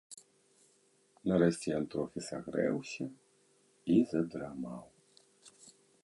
Нарэшце ён трохі сагрэўся і задрамаў.